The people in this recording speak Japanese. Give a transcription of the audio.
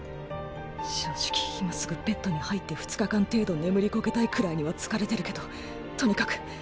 正直今すぐベッドに入って２日間程度眠りこけたいくらいには疲れてるけどとにかく